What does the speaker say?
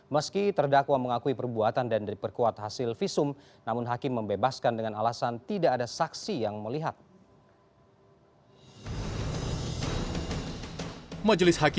meski terdakwa mengakui perbuatan dan diperkuat hasil visum namun hakim membebaskan dengan alasan tidak ada saksi yang melihat